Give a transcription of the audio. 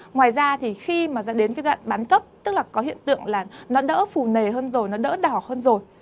ngoài ra thì khi mà dẫn đến cái đoạn bán cấp tức là có hiện tượng là nó đỡ phù nề hơn rồi nó đỡ đỏ hơn rồi